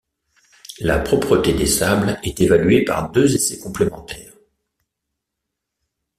La propreté des sables est évaluée par deux essais complémentaires.